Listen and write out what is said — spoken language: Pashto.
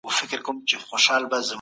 ځینې خلک د هغه د پلانونو مخالف وو.